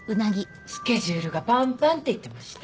「スケジュールがパンパン」って言ってました。